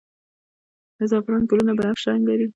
د زعفران ګلونه بنفش رنګ لري